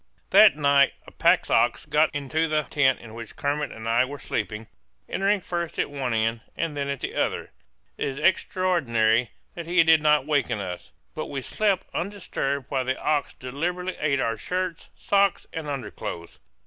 That night a pack ox got into the tent in which Kermit and I were sleeping, entering first at one end and then at the other. It is extraordinary that he did not waken us; but we slept undisturbed while the ox deliberately ate our shirts, socks, and underclothes!